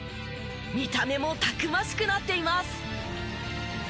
見た目もたくましくなっています。